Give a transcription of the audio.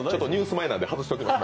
前なんで外しておきます